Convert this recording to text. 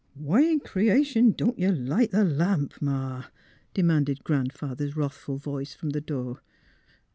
" Why in creation don't y' light th' lamp. Ma? " demanded Grandfather's wrathful voice, from the door.